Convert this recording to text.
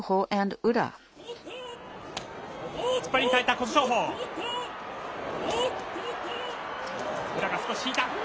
宇良が少し引いた。